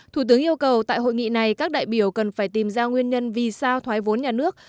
thủ tướng yêu cầu tại hội nghị này các đại biểu cần phải tìm ra nguyên nhân vì sao thoái vốn nhà nước